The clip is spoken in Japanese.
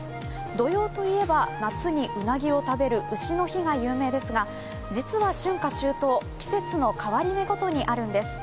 土用と言えば、夏にうなぎを食べるうしの日が有名ですが実は春夏秋冬、季節の変わり目ごとにあるんです。